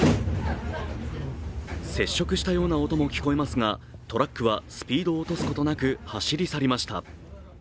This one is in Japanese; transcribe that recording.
接触したような音も聞こえますが、トラックはスピードを落とすことなく、走り去りました。